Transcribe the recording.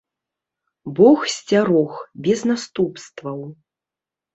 Бог сцярог, без наступстваў.